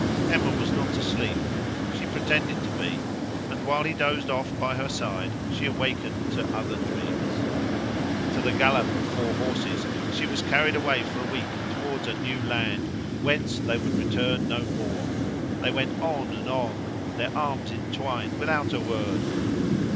Emma was not asleep; she pretended to be; and while he dozed off by her side she awakened to other dreams. To the gallop of four horses she was carried away for a week towards a new land, whence they would return no more. They went on and on, their arms entwined, without a word.